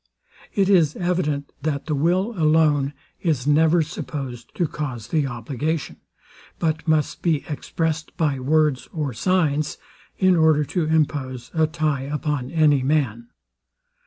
It is evident, that the will alone is never supposed to cause the obligation, but must be expressed by words or signs, in order to impose a tye upon any man.